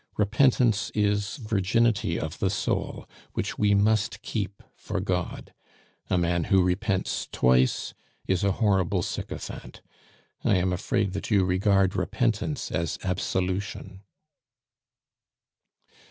Repentance is virginity of the soul, which we must keep for God; a man who repents twice is a horrible sycophant. I am afraid that you regard repentance as absolution."